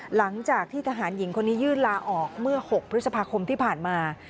หลังจากที่ทหารหญิงคนนี้ยื่นลาออกเมื่อ๖พฤษภาคมที่ผ่านมา